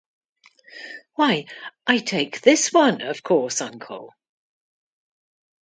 Why, I take this one, of course, uncle.